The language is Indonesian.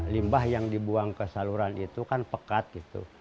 limbah yang dibuang ke saluran itu kan pekat gitu